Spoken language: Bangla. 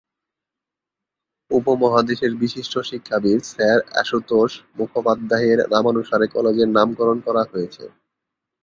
উপমহাদেশের বিশিষ্ট শিক্ষাবিদ স্যার আশুতোষ মুখোপাধ্যায়ের নামানুসারে কলেজের নামকরণ করা হয়েছে।